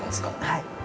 はい。